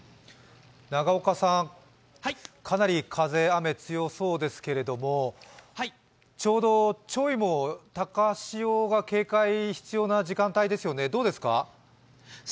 永岡さん、かなり風・雨強そうですけれども、ちょど潮位も高潮に警戒が必要な時間帯ですよどうですか？